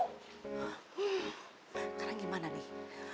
hmm sekarang gimana nih